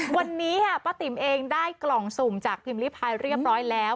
วันนี้ค่ะป้าติ๋มเองได้กล่องสุ่มจากพิมพ์ลิพายเรียบร้อยแล้ว